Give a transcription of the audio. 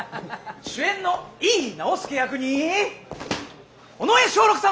主演の井伊直弼役に尾上松緑さん